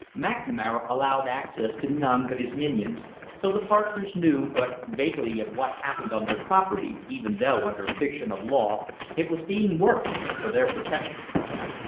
McNamara allowed access to none but his minions, so the partners knew but vaguely of what happened on their property, even though, under fiction of law, it was being worked for their protection.